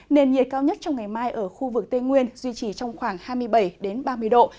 nền nhiệt cao nhất trong ngày mai ở khu vực tây nguyên duy trì trong khoảng hai mươi bảy ba mươi độ